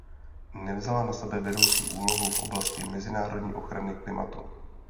Nevzala na sebe vedoucí úlohu v oblasti mezinárodní ochrany klimatu.